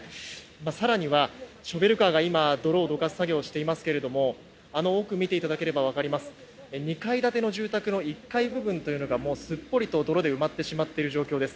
更にはショベルカーが泥をどかす作業をしていますがあの奥を見ていただけると分かりますが２階建ての住宅の１階部分というのがすっぽりと泥で埋まってしまっている状況です。